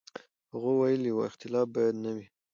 هغه ویلي و، اختلاف باید نه وي.